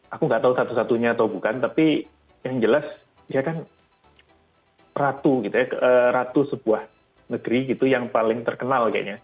aku nggak tahu satu satunya atau bukan tapi yang jelas dia kan ratu sebuah negeri yang paling terkenal kayaknya